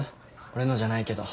俺のじゃないけど。